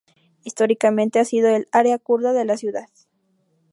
Históricamente ha sido el área kurda de la ciudad.